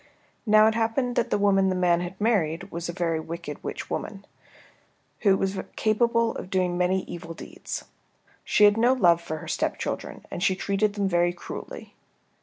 Now it happened that the woman the man had married was a very wicked witch woman, who was capable of doing many evil deeds. She had no love for her stepchildren, and she treated them very cruelly.